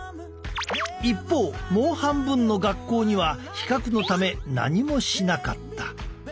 一方もう半分の学校には比較のため何もしなかった。